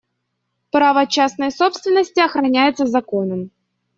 Право частной собственности охраняется законом.